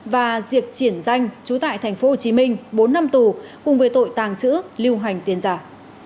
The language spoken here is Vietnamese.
và diệp triển danh trú tại thành phố hồ chí minh bốn năm tù cùng với tội tàng trữ lưu hành tiền giả